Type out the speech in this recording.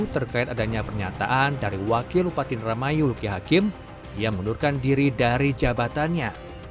terkait adanya pernyataan dari wakil upati indramayu luki hakim yang mengundurkan diri dari jabatannya